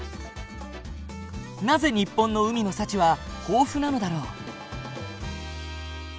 なぜ日本の海の幸は豊富なのだろう？